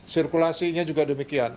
sirkulasinya juga demikian